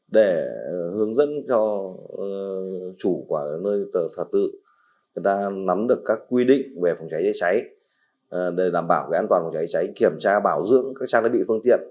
để hướng dẫn cho chủ nơi thờ tự người ta nắm được các quy định về phòng cháy cháy để đảm bảo an toàn phòng cháy cháy kiểm tra bảo dưỡng các trang thiết bị phương tiện